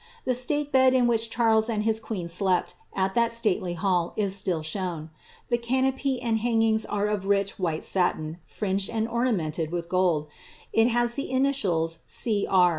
The state bed in ;h Charles and his queen slept at that stately hall is still shown, canopy and hangings are of rich white satin, fringed and ornamented 1 gold. It has the initials G. R.